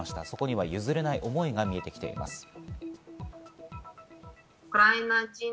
そこには譲れない思いが見えてきています。